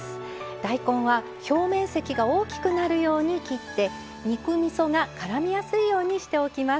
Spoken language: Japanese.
大根は表面積が大きくなるように切って肉みそがからみやすいようにしておきます。